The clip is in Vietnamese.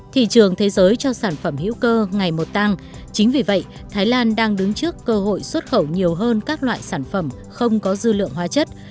thị trường thế giới cho sản phẩm hữu cơ ngày một tăng chính vì vậy thái lan đang đứng trước cơ hội xuất khẩu nhiều hơn các loại sản phẩm không có dư lượng hóa chất